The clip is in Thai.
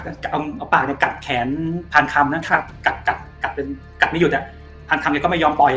เอาเอาปากเนี้ยกัดแขนพานคำถ้ากัดกัดกัดไม่หยุดอ่ะพานคำเนี้ยก็ไม่ยอมปล่อยอ่ะ